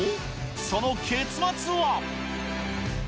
その結末は。